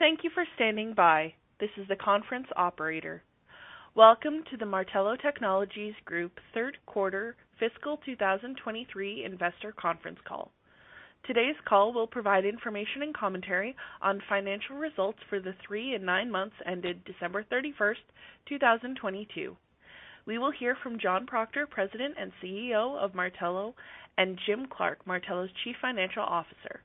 Thank you for standing by. This is the conference operator. Welcome to the Martello Technologies Group third quarter fiscal 2023 investor conference call. Today's call will provide information and commentary on financial results for the three and nine months ended December 31st, 2022. We will hear from John Proctor, President and CEO of Martello, and Jim Clark, Martello's Chief Financial Officer.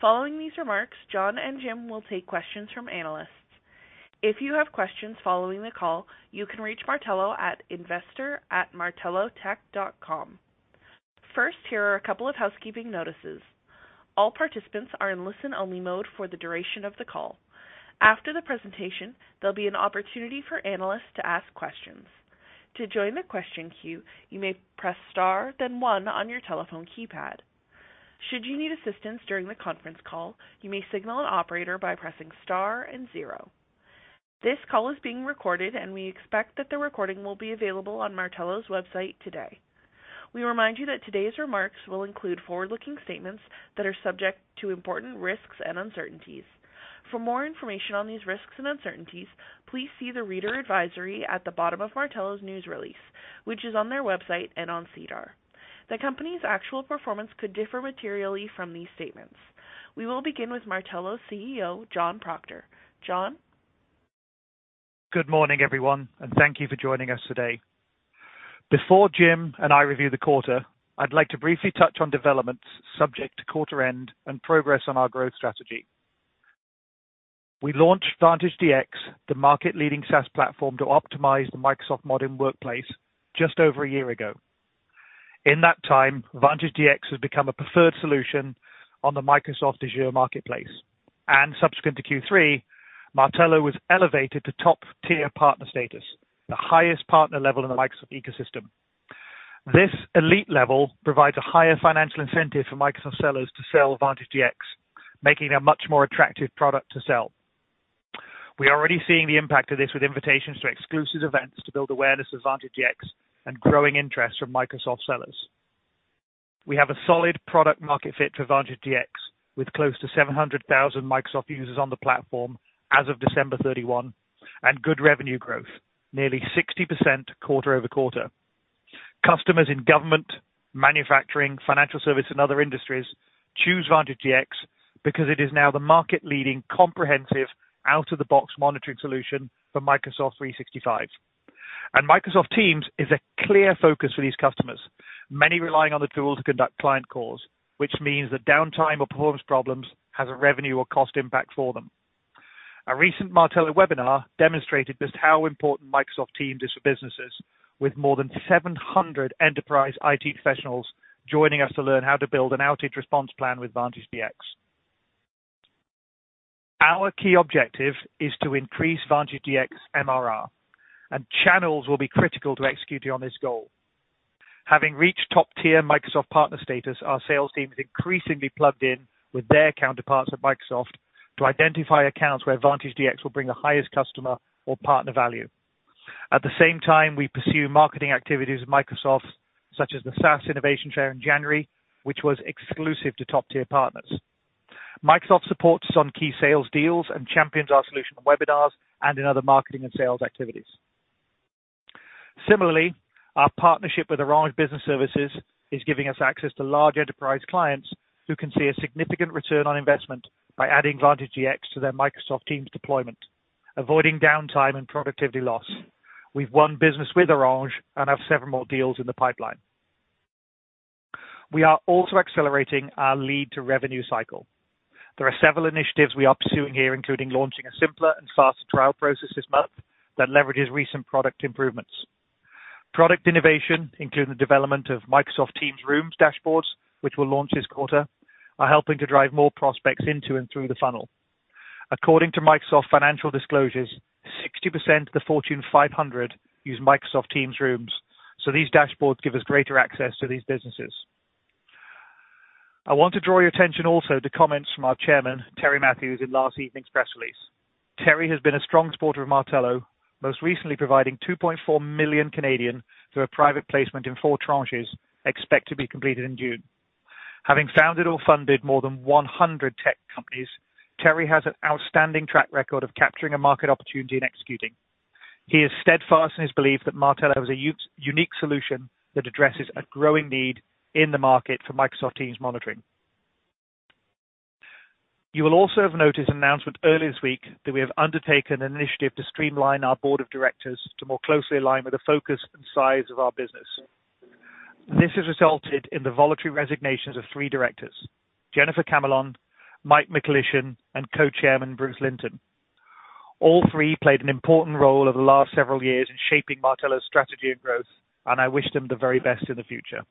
Following these remarks, John and Jim will take questions from analysts. If you have questions following the call, you can reach Martello at investor@martellotech.com. Here are a couple of housekeeping notices. All participants are in listen-only mode for the duration of the call. After the presentation, there'll be an opportunity for analysts to ask questions. To join the question queue, you may press star, then one on your telephone keypad. Should you need assistance during the conference call, you may signal an operator by pressing star and zero. This call is being recorded, and we expect that the recording will be available on Martello's website today. We remind you that today's remarks will include forward-looking statements that are subject to important risks and uncertainties. For more information on these risks and uncertainties, please see the reader advisory at the bottom of Martello's news release, which is on their website and on SEDAR. The company's actual performance could differ materially from these statements. We will begin with Martello's CEO, John Proctor. John? Good morning, everyone, and thank you for joining us today. Before Jim and I review the quarter, I'd like to briefly touch on developments subject to quarter end and progress on our growth strategy. We launched Vantage DX, the market-leading SaaS platform to optimize the Microsoft modern workplace, just over a year ago. In that time, Vantage DX has become a preferred solution on the Microsoft Azure marketplace, and subsequent to Q3, Martello was elevated to top-tier partner status, the highest partner level in the Microsoft ecosystem. This elite level provides a higher financial incentive for Microsoft sellers to sell Vantage DX, making it a much more attractive product to sell. We are already seeing the impact of this with invitations to exclusive events to build awareness of Vantage DX and growing interest from Microsoft sellers. We have a solid product market fit for Vantage DX, with close to 700,000 Microsoft users on the platform as of December 31, and good revenue growth, nearly 60% quarter-over-quarter. Customers in government, manufacturing, financial service and other industries choose Vantage DX because it is now the market-leading comprehensive out-of-the-box monitoring solution for Microsoft 365. Microsoft Teams is a clear focus for these customers, many relying on the tool to conduct client calls, which means that downtime or performance problems has a revenue or cost impact for them. A recent Martello webinar demonstrated just how important Microsoft Teams is for businesses, with more than 700 enterprise IT professionals joining us to learn how to build an outage response plan with Vantage DX. Our key objective is to increase Vantage DX MRR, and channels will be critical to executing on this goal. Having reached top-tier Microsoft partner status, our sales team is increasingly plugged in with their counterparts at Microsoft to identify accounts where Vantage DX will bring the highest customer or partner value. At the same time, we pursue marketing activities with Microsoft, such as the SaaS Innovation Share in January, which was exclusive to top-tier partners. Microsoft supports us on key sales deals and champions our solution on webinars and in other marketing and sales activities. Similarly, our partnership with Orange Business Services is giving us access to large enterprise clients who can see a significant return on investment by adding Vantage DX to their Microsoft Teams deployment, avoiding downtime and productivity loss. We've won business with Orange and have several more deals in the pipeline. We are also accelerating our lead to revenue cycle. There are several initiatives we are pursuing here, including launching a simpler and faster trial process this month that leverages recent product improvements. Product innovation, including the development of Microsoft Teams Rooms dashboards, which will launch this quarter, are helping to drive more prospects into and through the funnel. According to Microsoft financial disclosures, 60% of the Fortune 500 use Microsoft Teams Rooms, these dashboards give us greater access to these businesses. I want to draw your attention also to comments from our chairman, Terry Matthews, in last evening's press release. Terry has been a strong supporter of Martello, most recently providing 2.4 million through a private placement in four tranches, expect to be completed in June. Having founded or funded more than 100 tech companies, Terry has an outstanding track record of capturing a market opportunity and executing. He is steadfast in his belief that Martello is a unique solution that addresses a growing need in the market for Microsoft Teams monitoring. You will also have noticed announcement earlier this week that we have undertaken an initiative to streamline our board of directors to more closely align with the focus and size of our business. This has resulted in the voluntary resignations of three directors, Jennifer Camelon, Michael Michalyshyn, and Co-Chairman Bruce Linton. All three played an important role over the last several years in shaping Martello's strategy and growth, and I wish them the very best in the future.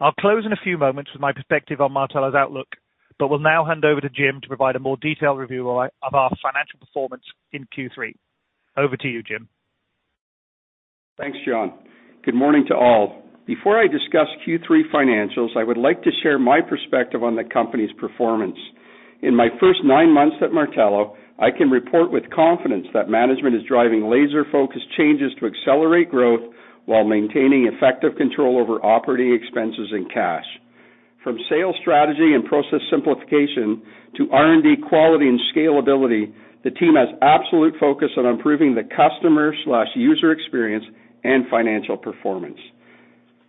I'll close in a few moments with my perspective on Martello's outlook, but will now hand over to Jim to provide a more detailed review of our financial performance in Q3. Over to you, Jim. Thanks, John. Good morning to all. Before I discuss Q3 financials, I would like to share my perspective on the company's performance. In my first nine months at Martello, I can report with confidence that management is driving laser-focused changes to accelerate growth while maintaining effective control over operating expenses and cash. From sales strategy and process simplification to R&D quality and scalability, the team has absolute focus on improving the customer slash user experience and financial performance.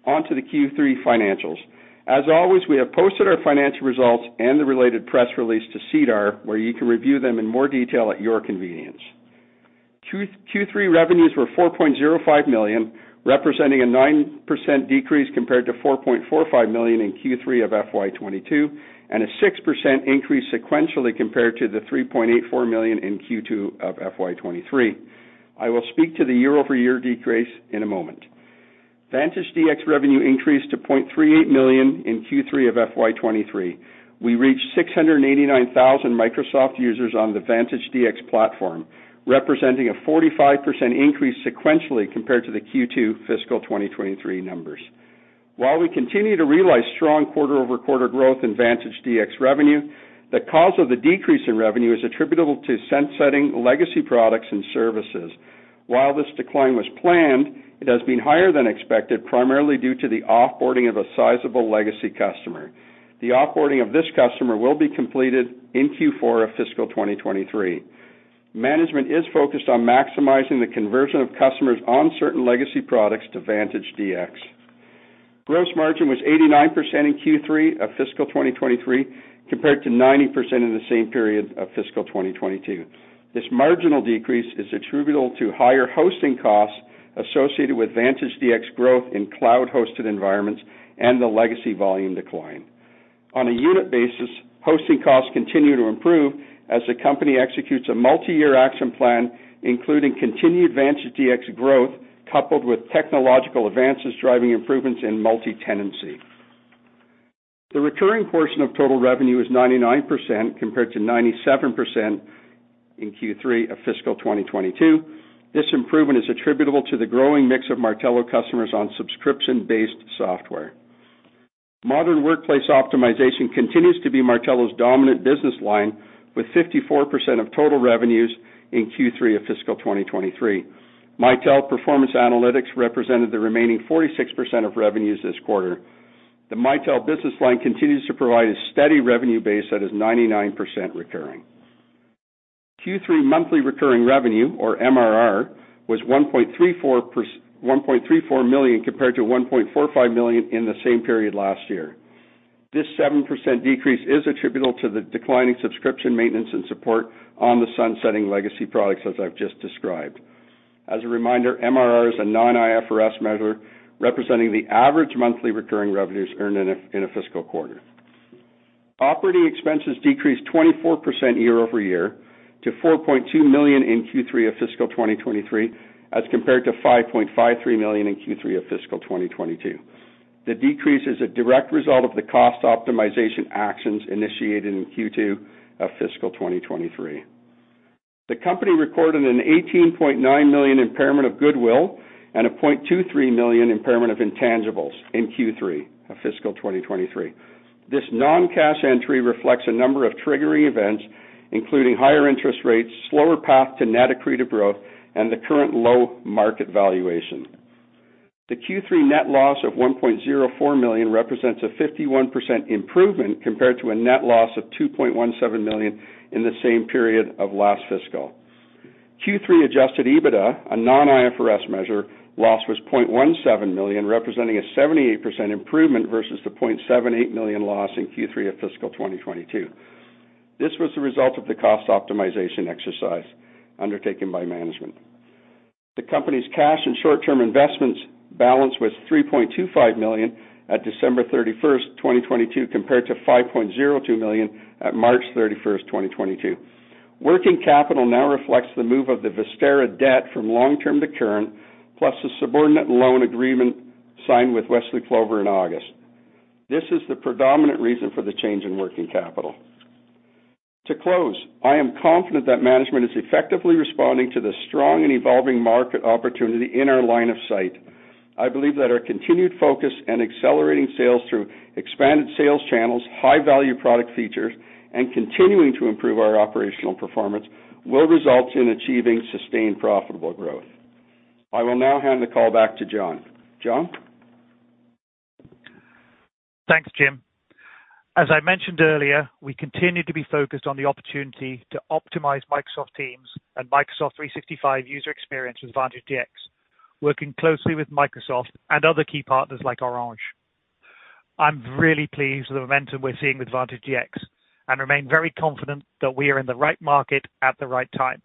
On to the Q3 financials. As always, we have posted our financial results and the related press release to SEDAR, where you can review them in more detail at your convenience. Q3 revenues were 4.05 million, representing a 9% decrease compared to 4.45 million in Q3 of FY 2022, and a 6% increase sequentially compared to the 3.84 million in Q2 of FY 2023. I will speak to the year-over-year decrease in a moment. Vantage DX revenue increased to 0.38 million in Q3 of FY 2023. We reached 689,000 Microsoft users on the Vantage DX platform, representing a 45% increase sequentially compared to the Q2 fiscal 2023 numbers. While we continue to realize strong quarter-over-quarter growth in Vantage DX revenue, the cause of the decrease in revenue is attributable to sunsetting legacy products and services. While this decline was planned, it has been higher than expected, primarily due to the off-boarding of a sizable legacy customer. The off-boarding of this customer will be completed in Q4 of fiscal 2023. Management is focused on maximizing the conversion of customers on certain legacy products to Vantage DX. Gross margin was 89% in Q3 of fiscal 2023, compared to 90% in the same period of fiscal 2022. This marginal decrease is attributable to higher hosting costs associated with Vantage DX growth in cloud-hosted environments and the legacy volume decline. On a unit basis, hosting costs continue to improve as the company executes a multiyear action plan, including continued Vantage DX growth coupled with technological advances driving improvements in multi-tenancy. The recurring portion of total revenue is 99%, compared to 97% in Q3 of fiscal 2022. This improvement is attributable to the growing mix of Martello customers on subscription-based software. Modern workplace optimization continues to be Martello's dominant business line, with 54% of total revenues in Q3 of fiscal 2023. Mitel Performance Analytics represented the remaining 46% of revenues this quarter. The Mitel business line continues to provide a steady revenue base that is 99% recurring. Q3 monthly recurring revenue or MRR was 1.34 million compared to 1.45 million in the same period last year. This 7% decrease is attributable to the declining subscription maintenance and support on the sunsetting legacy products, as I've just described. As a reminder, MRR is a non-IFRS measure representing the average monthly recurring revenues earned in a fiscal quarter. Operating expenses decreased 24% year-over-year to 4.2 million in Q3 of fiscal 2023, as compared to 5.53 million in Q3 of fiscal 2022. The decrease is a direct result of the cost optimization actions initiated in Q2 of fiscal 2023. The company recorded a 18.9 million impairment of goodwill and a 0.23 million impairment of intangibles in Q3 of fiscal 2023. This non-cash entry reflects a number of triggering events, including higher interest rates, slower path to net accretive growth, and the current low market valuation. The Q3 net loss of 1.04 million represents a 51% improvement compared to a net loss of 2.17 million in the same period of last fiscal. Q3 adjusted EBITDA, a non-IFRS measure, loss was 0.17 million, representing a 78% improvement versus the 0.78 million loss in Q3 of fiscal 2022. This was the result of the cost optimization exercise undertaken by management. The company's cash and short-term investments balance was 3.25 million at December 31, 2022, compared to 5.02 million at March 31, 2022. Working capital now reflects the move of the Vistara debt from long-term to current, plus the subordinate loan agreement signed with Wesley Clover in August. This is the predominant reason for the change in working capital. To close, I am confident that management is effectively responding to the strong and evolving market opportunity in our line of sight. I believe that our continued focus in accelerating sales through expanded sales channels, high-value product features, and continuing to improve our operational performance will result in achieving sustained profitable growth. I will now hand the call back to John. John? Thanks, Jim. As I mentioned earlier, we continue to be focused on the opportunity to optimize Microsoft Teams and Microsoft 365 user experience with Vantage DX, working closely with Microsoft and other key partners like Orange. I'm really pleased with the momentum we're seeing with Vantage DX and remain very confident that we are in the right market at the right time.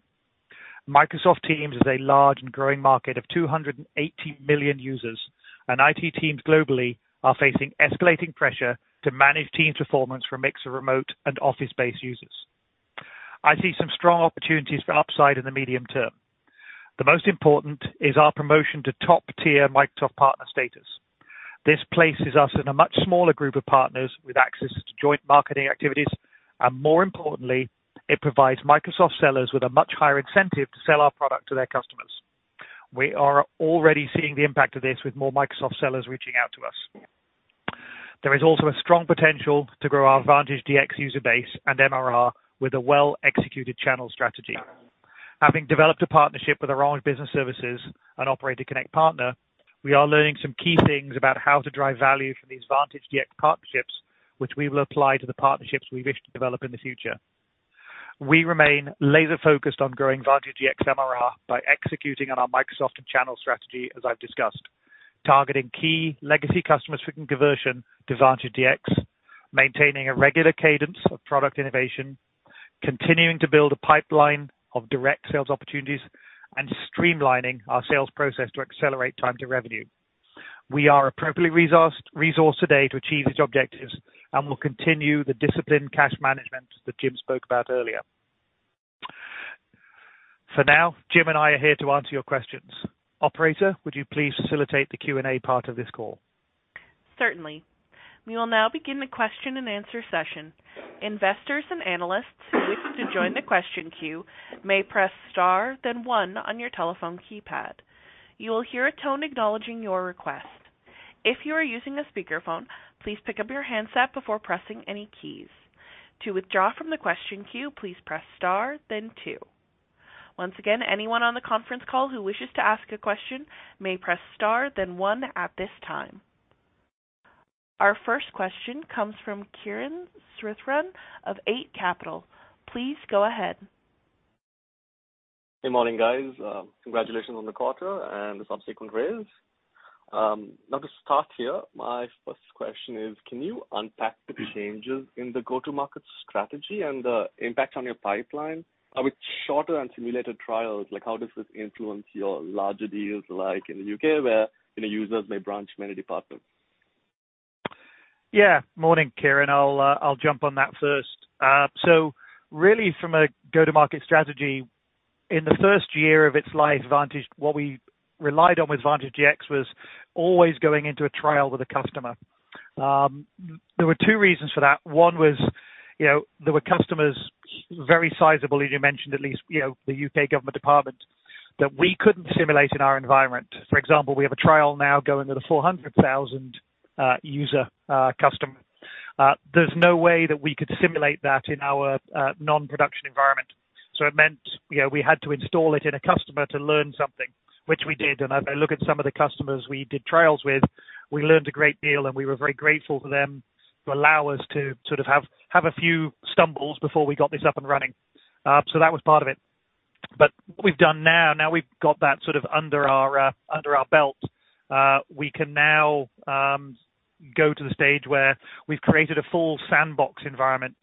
Microsoft Teams is a large and growing market of 280 million users. IT teams globally are facing escalating pressure to manage Teams performance for a mix of remote and office-based users. I see some strong opportunities for upside in the medium term. The most important is our promotion to top-tier Microsoft partner status. This places us in a much smaller group of partners with access to joint marketing activities, and more importantly, it provides Microsoft sellers with a much higher incentive to sell our product to their customers. We are already seeing the impact of this with more Microsoft sellers reaching out to us. There is also a strong potential to grow our Vantage DX user base and MRR with a well-executed channel strategy. Having developed a partnership with Orange Business Services and Operator Connect Partner, we are learning some key things about how to drive value from these Vantage DX partnerships, which we will apply to the partnerships we wish to develop in the future. We remain laser focused on growing Vantage DX MRR by executing on our Microsoft and channel strategy as I've discussed. Targeting key legacy customers seeking conversion to Vantage DX, maintaining a regular cadence of product innovation, continuing to build a pipeline of direct sales opportunities, and streamlining our sales process to accelerate time to revenue. We are appropriately resourced today to achieve these objectives. We'll continue the disciplined cash management that Jim spoke about earlier. For now, Jim and I are here to answer your questions. Operator, would you please facilitate the Q&A part of this call? Certainly. We will now begin the question-and-answer session. Investors and analysts who wish to join the question queue may press star then one on your telephone keypad. You will hear a tone acknowledging your request. If you are using a speakerphone, please pick up your handset before pressing any keys. To withdraw from the question queue, please press star then two. Once again, anyone on the conference call who wishes to ask a question may press star then one at this time. Our first question comes from Kiran Sritharan of Eight Capital. Please go ahead. Good morning, guys. Congratulations on the quarter and the subsequent raise. My first question is, can you unpack the changes in the go-to-market strategy and the impact on your pipeline? Are with shorter and simulated trials, like how does this influence your larger deals, like in the U.K. where, you know, users may branch many departments? Morning, Kiran. I'll jump on that first. Really from a go-to-market strategy, in the first year of its life advantage, what we relied on with Vantage DX was always going into a trial with a customer. There were two reasons for that. One was, you know, there were customers, very sizable as you mentioned, at least, you know, the U.K. government department, that we couldn't simulate in our environment. For example, we have a trial now going to the 400,000 user customer. There's no way that we could simulate that in our non-production environment. It meant, you know, we had to install it in a customer to learn something, which we did. As I look at some of the customers we did trials with, we learned a great deal, and we were very grateful for them to allow us to sort of have a few stumbles before we got this up and running. That was part of it. What we've done now we've got that sort of under our belt, we can now go to the stage where we've created a full sandbox environment.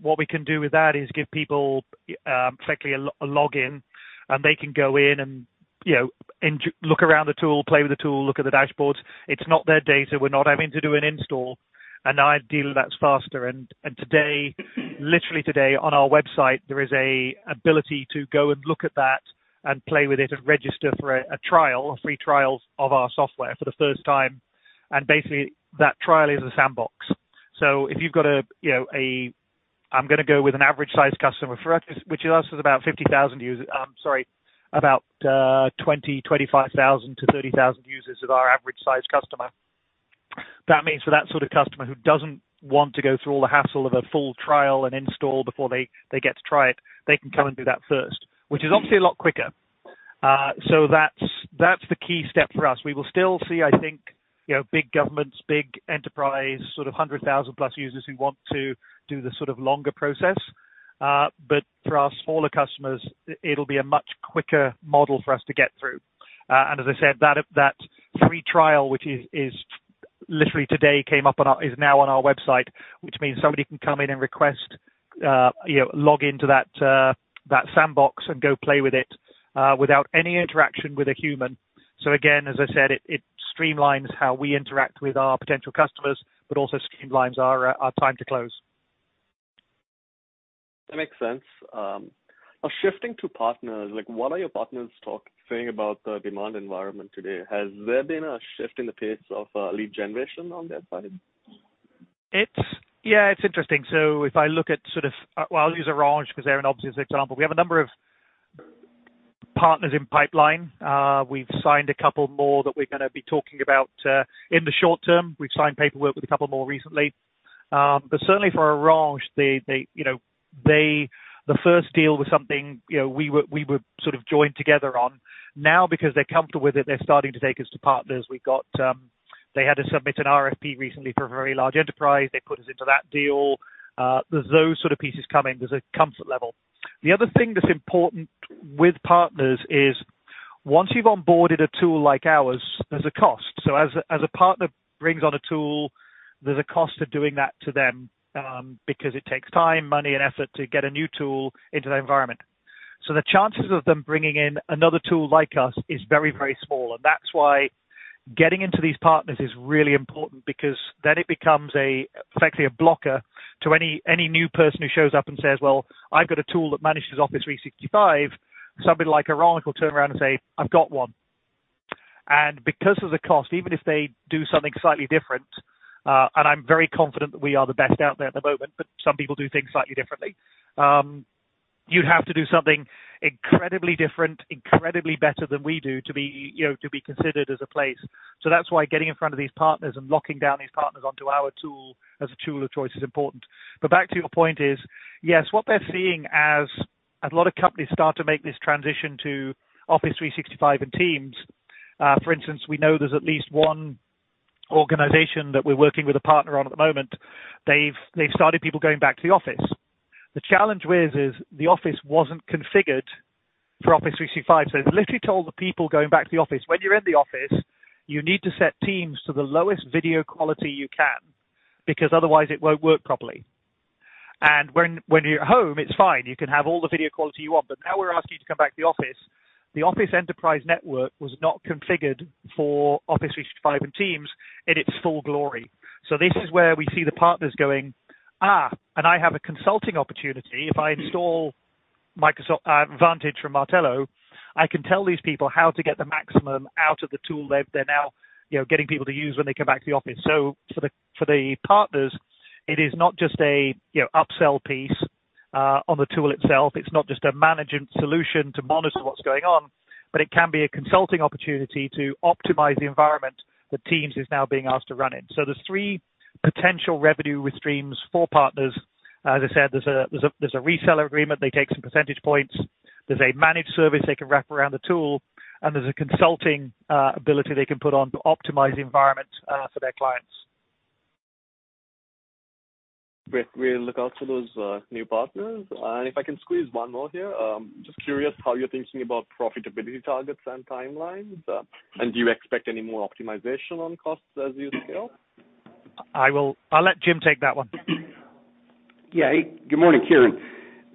What we can do with that is give people, frankly, a login, and they can go in and, you know, look around the tool, play with the tool, look at the dashboards. It's not their data. We're not having to do an install. Now ideally that's faster. Today, literally today on our website, there is an ability to go and look at that and play with it and register for a trial, a free trial of our software for the first time. Basically that trial is a sandbox. If you've got an average size customer for us, which is about 50,000 users, sorry, 20,000, 25,000-30,000 users of our average size customer. That means for that sort of customer who doesn't want to go through all the hassle of a full trial and install before they get to try it, they can come and do that first, which is obviously a lot quicker. That's the key step for us. We will still see, I think, you know, big governments, big enterprise, sort of 100,000+ users who want to do the sort of longer process. For our smaller customers, it'll be a much quicker model for us to get through. As I said that free trial, which is literally today came up on our is now on our website, which means somebody can come in and request, you know, log into that sandbox and go play with it, without any interaction with a human. Again, as I said, it streamlines how we interact with our potential customers, but also streamlines our time to close. That makes sense. Now shifting to partners, like what are your partners saying about the demand environment today? Has there been a shift in the pace of lead generation on that side? It's interesting. If I look at sort of. I'll use Orange 'cause they're an obvious example. We have a number of partners in pipeline. We've signed a couple more that we're gonna be talking about in the short term. We've signed paperwork with a couple more recently. But certainly for Orange, they, you know, the first deal was something, you know, we were sort of joined together on. Now because they're comfortable with it, they're starting to take us to partners. We've got. They had to submit an RFP recently for a very large enterprise. They put us into that deal. There's those sort of pieces coming. There's a comfort level. The other thing that's important with partners is once you've onboarded a tool like ours, there's a cost. As a partner brings on a tool, there's a cost of doing that to them, because it takes time, money, and effort to get a new tool into their environment. The chances of them bringing in another tool like us is very, very small. That's why getting into these partners is really important because then it becomes a, frankly, a blocker to any new person who shows up and says, "Well, I've got a tool that manages Office 365." Somebody like Orange will turn around and say, "I've got one." Because of the cost, even if they do something slightly different, and I'm very confident that we are the best out there at the moment, but some people do things slightly differently. You have to do something incredibly different, incredibly better than we do to be, you know, to be considered as a place. That's why getting in front of these partners and locking down these partners onto our tool as a tool of choice is important. Back to your point is, yes, what they're seeing as a lot of companies start to make this transition to Office 365 and Teams. For instance, we know there's at least one organization that we're working with a partner on at the moment. They've started people going back to the office. The challenge with is the office wasn't configured for Office 365. They literally told the people going back to the office, When you're in the office, you need to set Teams to the lowest video quality you can, because otherwise it won't work properly. When you're at home, it's fine. You can have all the video quality you want, now we're asking you to come back to the office. The office enterprise network was not configured for Office 365 and Teams in its full glory. This is where we see the partners going, "I have a consulting opportunity. If I install Vantage from Martello, I can tell these people how to get the maximum out of the tool they're now, you know, getting people to use when they come back to the office." For the partners, it is not just a, you know, upsell piece on the tool itself. It's not just a management solution to monitor what's going on, but it can be a consulting opportunity to optimize the environment that Teams is now being asked to run in. There's 3 potential revenue streams for partners. As I said, there's a reseller agreement. They take some percentage points. There's a managed service they can wrap around the tool, and there's a consulting ability they can put on to optimize the environment for their clients. Great. We'll look out to those new partners. If I can squeeze one more here, just curious how you're thinking about profitability targets and timelines. Do you expect any more optimization on costs as you scale? I'll let Jim take that one. Yeah. Good morning, Kiran.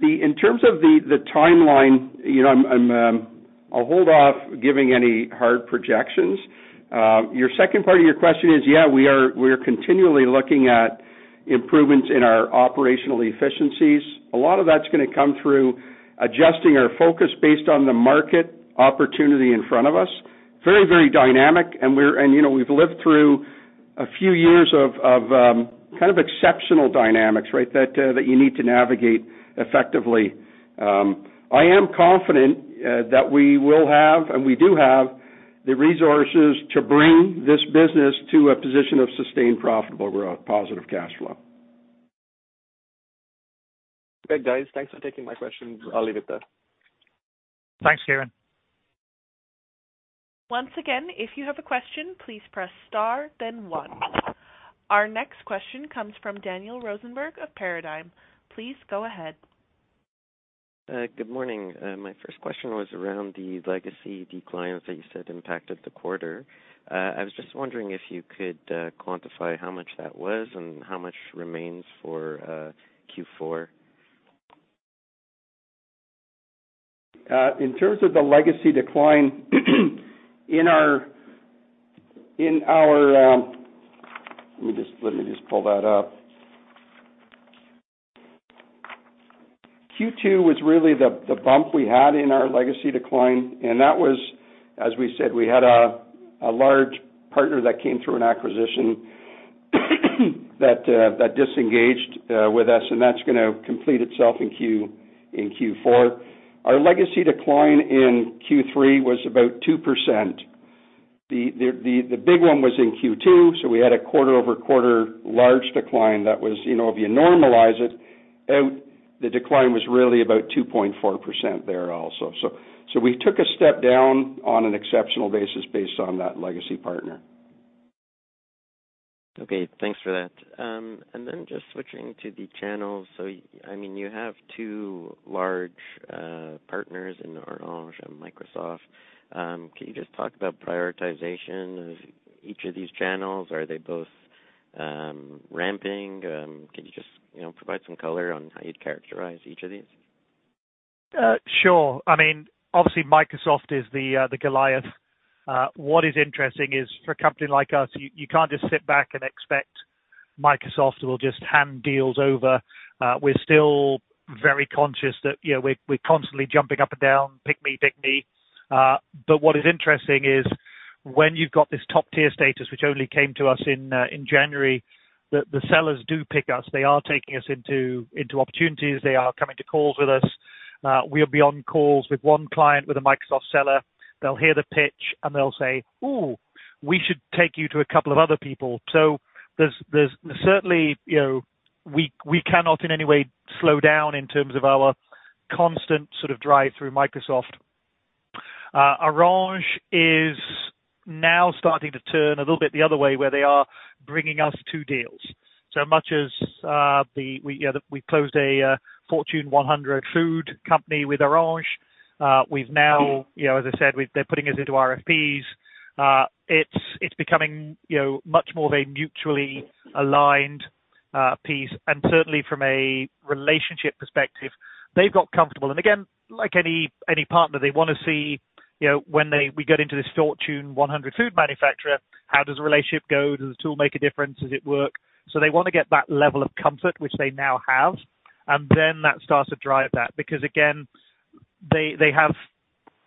In terms of the timeline, you know, I'm I'll hold off giving any hard projections. Your second part of your question is, yeah, we are continually looking at improvements in our operational efficiencies. A lot of that's gonna come through adjusting our focus based on the market opportunity in front of us. Very, very dynamic, and, you know, we've lived through a few years of kind of exceptional dynamics, right? That you need to navigate effectively. I am confident that we will have, and we do have the resources to bring this business to a position of sustained profitable growth, positive cash flow. Great, guys. Thanks for taking my questions. I'll leave it there. Thanks, Kiran. Once again, if you have a question, please press star then one. Our next question comes from Daniel Rosenberg of Paradigm. Please go ahead. Good morning. My first question was around the legacy declines that you said impacted the quarter. I was just wondering if you could quantify how much that was and how much remains for Q4. In terms of the legacy decline in our, let me just pull that up. Q2 was really the bump we had in our legacy decline, that was, as we said, we had a large partner that came through an acquisition that disengaged with us, and that's gonna complete itself in Q4. Our legacy decline in Q3 was about 2%. The big one was in Q2, we had a quarter-over-quarter large decline that was, you know, if you normalize it, the decline was really about 2.4% there also. We took a step down on an exceptional basis based on that legacy partner. Okay, thanks for that. Just switching to the channels. I mean, you have two large partners in Orange and Microsoft. Can you just talk about prioritization of each of these channels? Are they both ramping? Can you just, you know, provide some color on how you'd characterize each of these? Sure. I mean, obviously Microsoft is the Goliath. What is interesting is for a company like us, you can't just sit back and expect Microsoft will just hand deals over. We're still very conscious that, you know, we're constantly jumping up and down, "Pick me, pick me." What is interesting is when you've got this top-tier status, which only came to us in January, the sellers do pick us. They are taking us into opportunities. They are coming to calls with us. We'll be on calls with one client, with a Microsoft seller. They'll hear the pitch and they'll say, "Ooh, we should take you to a couple of other people." There's certainly, you know, we cannot in any way slow down in terms of our constant sort of drive through Microsoft. Orange is now starting to turn a little bit the other way where they are bringing us two deals. We, you know, we closed a Fortune 100 food company with Orange. We've now, you know, as I said, they're putting us into RFPs. It's becoming, you know, much more of a mutually aligned piece. Certainly from a relationship perspective, they've got comfortable. Again, like any partner, they wanna see, you know, when we get into this Fortune 100 food manufacturer, how does the relationship go? Does the tool make a difference? Does it work? They want to get that level of comfort, which they now have. That starts to drive that because again, they have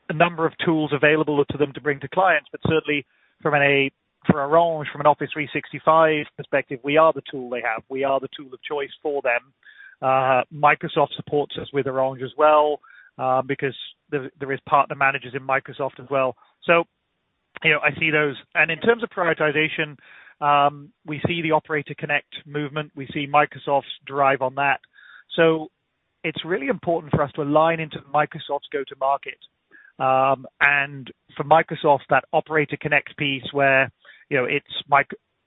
a number of tools available to them to bring to clients, but certainly for Orange, from an Office 365 perspective, we are the tool they have. We are the tool of choice for them. Microsoft supports us with Orange as well, because there is partner managers in Microsoft as well. You know, I see those. In terms of prioritization, we see the Operator Connect movement. We see Microsoft's drive on that. It's really important for us to align into Microsoft's go to market. For Microsoft, that Operator Connect piece where, you know, it's like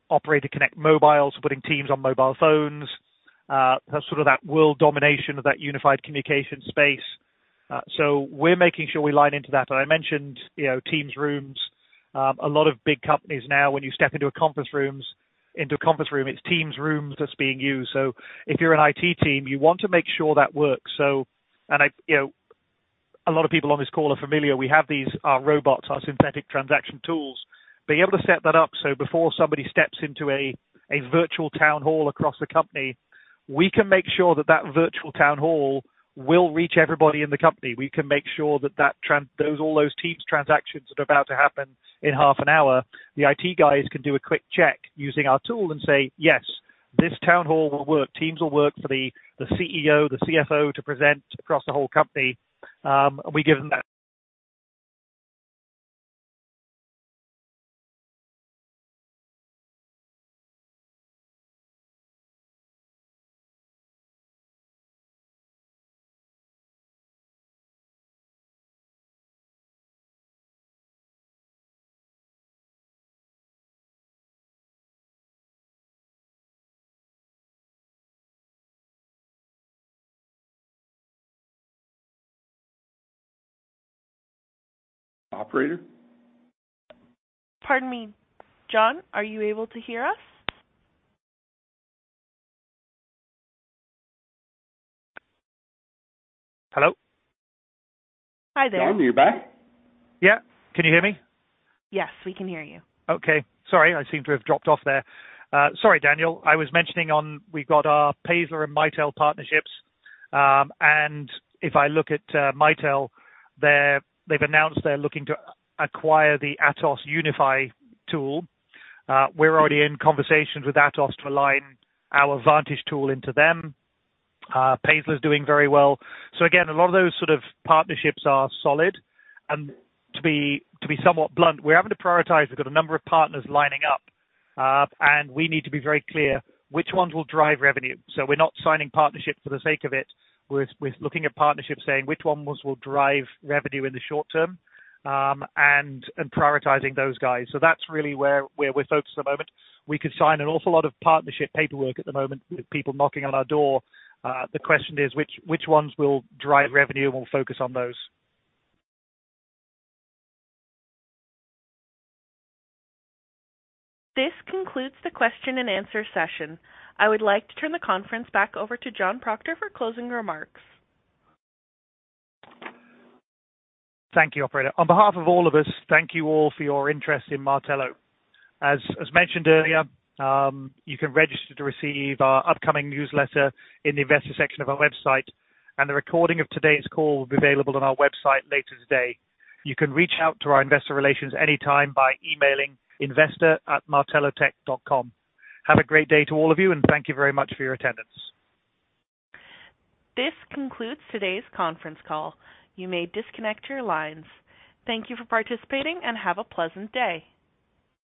Operator Connect Mobile, so putting Teams on mobile phones, sort of that world domination of that unified communication space. We're making sure we align into that. I mentioned, you know, Teams Rooms. A lot of big companies now, when you step into a conference room, it's Teams Rooms that's being used. If you're an IT team, you want to make sure that works. You know, a lot of people on this call are familiar. We have these, our robots, our synthetic transaction tools. Being able to set that up so before somebody steps into a virtual town hall across the company, we can make sure that that virtual town hall will reach everybody in the company. We can make sure that all those Teams transactions that are about to happen in half an hour, the IT guys can do a quick check using our tool and say, "Yes, this town hall will work. Teams will work for the CEO, the CFO to present across the whole company." We give them that. Operator? Pardon me. John, are you able to hear us? Hello. Hi there. John, are you back? Yeah. Can you hear me? Yes, we can hear you. Okay. Sorry, I seem to have dropped off there. Sorry, Daniel. I was mentioning on we've got our Paessler and Mitel partnerships. If I look at Mitel, they've announced they're looking to acquire the Atos UNIFY tool. We're already in conversations with Atos to align our Vantage tool into them. Paessler is doing very well. Again, a lot of those sort of partnerships are solid. To be somewhat blunt, we're having to prioritize. We've got a number of partners lining up, and we need to be very clear which ones will drive revenue. We're not signing partnerships for the sake of it. We're looking at partnerships saying which ones will drive revenue in the short term, and prioritizing those guys. That's really where we're focused at the moment. We could sign an awful lot of partnership paperwork at the moment with people knocking on our door. The question is which ones will drive revenue? We'll focus on those. This concludes the question-and-answer session. I would like to turn the conference back over to John Proctor for closing remarks. Thank you, operator. On behalf of all of us, thank you all for your interest in Martello. As mentioned earlier, you can register to receive our upcoming newsletter in the investor section of our website, and a recording of today's call will be available on our website later today. You can reach out to our investor relations anytime by emailing investor@martellotech.com. Have a great day to all of you, and thank you very much for your attendance. This concludes today's conference call. You may disconnect your lines. Thank you for participating and have a pleasant day.